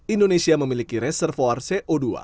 indonesia memiliki reservoir co dua